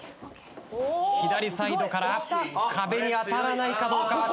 左サイドから壁に当たらないかどうか？